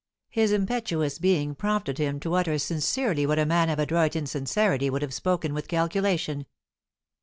His impetuous being prompted him to utter sincerely what a man of adroit insincerity would have spoken with calculation.